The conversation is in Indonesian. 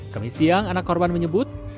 kemisiang anak korban menyebut